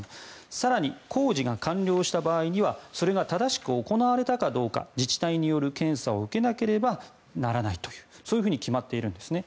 更に、工事が完了した場合にはそれが正しく行われたかどうか自治体による検査を受けなければならないというそういうふうに決まっているんですね。